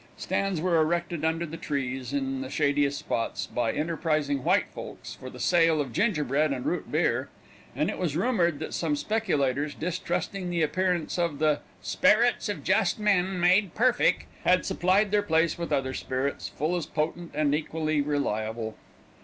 Stands were erected under the trees, in the shadiest spots, by enterprising white folks, for the sale of gingerbread and root beer, and it was rumored that some speculators, distrusting the appearance of the "sperits of just men made perfeck," had supplied their place with other spirits, full as potent and equally reliable.